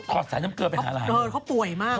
ตรงค่อยตะซะน้ำเกลือไปหายเพราะป่วยมาก